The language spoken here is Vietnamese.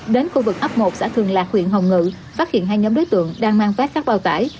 đến khu vực ấp một xã thường lạc huyện hồng ngự phát hiện hai nhóm đối tượng đang mang vác các bao tải